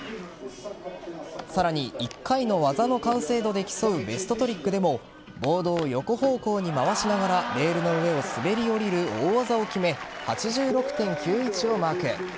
さらに、１回の技の完成度で競うベストトリックでもボードを横方向に回しながらレールの上を滑り降りる大技を決め８６．９１をマーク。